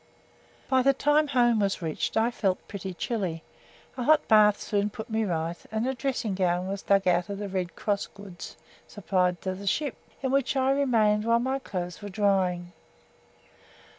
By the time "home" was reached I felt pretty chilly; a hot bath soon put me right, and a dressing gown was dug out of the Red Cross goods supplied to the ship, in which I remained while my clothes were drying.